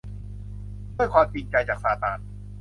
ด้วยความจริงใจ จากซาตาน